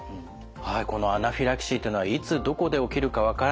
はいこのアナフィラキシーというのはいつどこで起きるか分からない。